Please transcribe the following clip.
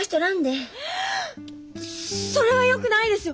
ええそれはよくないですよ！